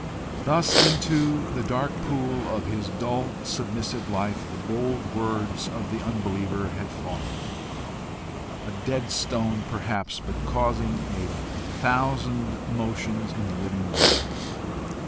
Thus into the dark pool of his dull submissive life, the bold words of the unbeliever had fallen a dead stone perhaps, but causing a thousand motions in the living water.